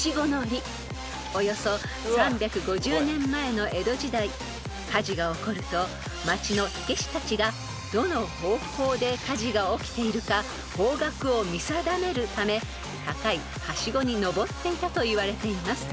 ［およそ３５０年前の江戸時代火事が起こると町の火消したちがどの方向で火事が起きているか方角を見定めるため高いはしごにのぼっていたといわれています］